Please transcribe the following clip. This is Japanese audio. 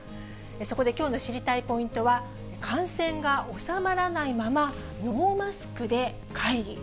そこできょうの知りたいポイントは、感染が収まらないまま、ノーマスクで会議。